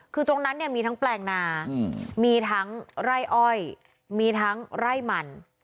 คือตรงนั้นเนี่ยมีทั้งแปลงนามีทั้งไร่อ้อยมีทั้งไร่มัน